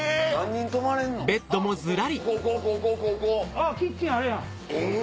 あっキッチンあるやん！